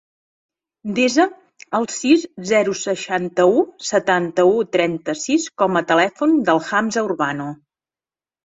Desa el sis, zero, seixanta-u, setanta-u, trenta-sis com a telèfon de l'Hamza Urbano.